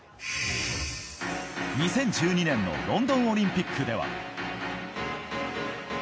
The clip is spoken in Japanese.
２０１２年のロンドンオリンピックでは。